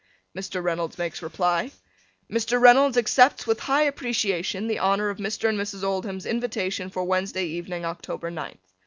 Mr. Reynolds makes reply: Mr. Reynolds accepts with high appreciation the honor of Mr. and Mrs. Oldham's invitation for Wednesday evening October ninth.